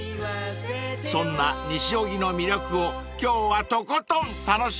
［そんな西荻の魅力を今日はとことん楽しみましょう］